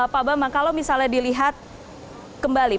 pak bambang kalau misalnya dilihat kembali